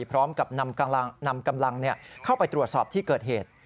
พร้อมกับนำกำลังเข้าไปตรวจสอบที่เกิดเหตุ